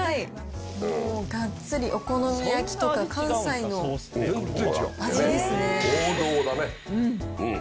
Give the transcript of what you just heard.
もうがっつり、お好み焼きとか、関西の味ですね。